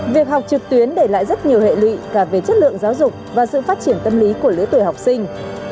việc học trực tuyến để lại rất nhiều hệ lụy cả về chất lượng giáo dục và sự phát triển tâm lý của lứa tuổi học sinh